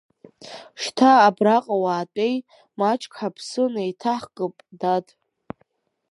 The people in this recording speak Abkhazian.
Шьҭа абраҟа уаатәеи, маҷк ҳаԥсы неиҭаҳкып, дад!